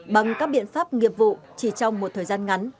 bằng các biện pháp nghiệp vụ chỉ trong một thời gian ngắn